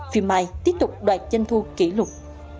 phim mai tiếp tục đoạt tranh thu kỷ lục